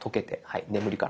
はい。